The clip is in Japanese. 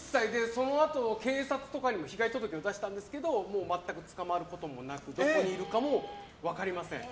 そのあと、警察とかに被害届を出したんですけど全く捕まることもなくどこにいるかも分かりません。